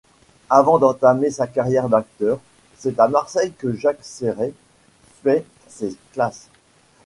Avant d'entamer sa carrière d'acteur, c'est à Marseille que Jacques Sereys fait ses classes.